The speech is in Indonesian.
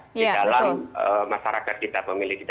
di dalam masyarakat kita pemilih kita